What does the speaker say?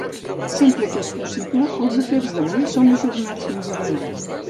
Sempre que és possible, els afers d'avui són ajornats fins a demà.